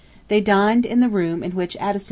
They dined in the room in which Addison died.